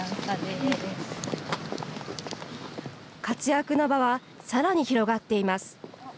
活躍の場はさらに広がっています。